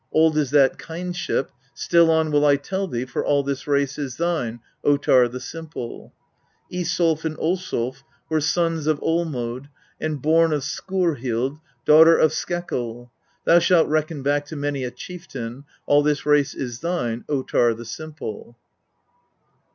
Old is that kindship, still on will I tell thee, for all this race is thine, Ottar the Simple. 17. Isolf and Osolf were sons of Olmod, and born of Skurhild, daughter of Skekkil. Thou shalt reckon back to many a chieftain. All this race is thine Ottar the Simple